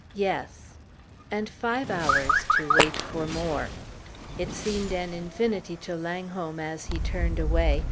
"Yes." And five hours to wait for more! It seemed an infinity to Langholm as he turned away.